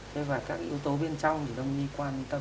thế và các yếu tố bên trong thì đông y quan tâm